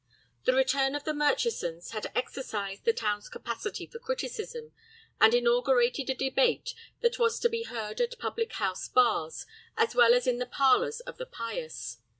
The return of the Murchisons had exercised the town's capacity for criticism, and inaugurated a debate that was to be heard at public house bars, as well as in the parlors of the pious.